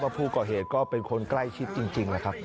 ผู้ก่อเหตุก็เป็นคนใกล้ชิดจริงแหละครับ